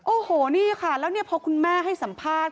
โอ้โหนี่ค่ะแล้วเนี่ยพอคุณแม่ให้สัมภาษณ์